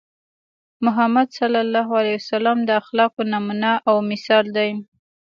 محمد ص د اخلاقو نمونه او مثال دی.